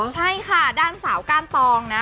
ใช่ค่ะด้านสาวก้านตองนะ